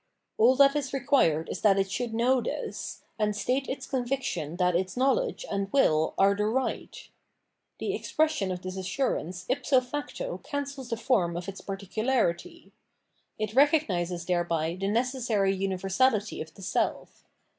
All that is required is that it should know this, and state its conviction that its knowledge and ^vill are the right. The expression of this assurance fpso jado cancels the form of its par ticularity. It recognises thereby the necessary univer sality of the self.